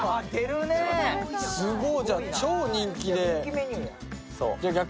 すごい、じゃあ、超人気で。